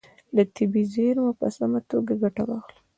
له طبیعي زیرمو په سمه توګه ګټه واخلئ.